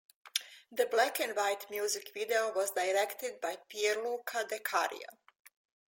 The black and white music video was directed by Pierluca DeCario.